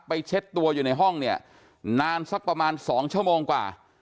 เช็ดตัวอยู่ในห้องเนี่ยนานสักประมาณ๒ชั่วโมงกว่า